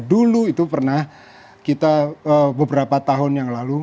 dulu itu pernah kita beberapa tahun yang lalu